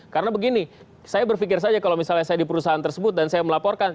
karena begini saya berpikir saja kalau misalnya saya di perusahaan tersebut dan saya melaporkan